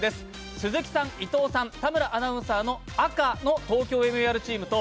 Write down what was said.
鈴木さん、伊藤さん、田村アナウンサーの赤のＴＯＫＹＯＭＥＲチームと、